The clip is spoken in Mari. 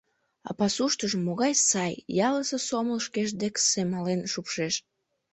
А пасуштыжо могай сай, ялысе сомыл шкеж дек семален шупшеш!